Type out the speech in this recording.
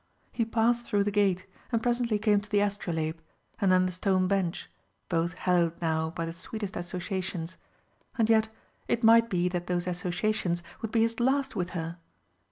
He passed through the gate, and presently came to the astrolabe, and then the stone bench, both hallowed now by the sweetest associations. And yet it might be that those associations would be his last with her!